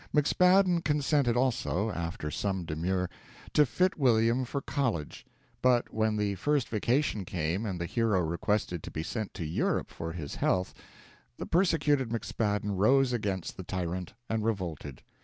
McSpadden consented also, after some demur, to fit William for college; but when the first vacation came and the hero requested to be sent to Europe for his health, the persecuted McSpadden rose against the tyrant and revolted.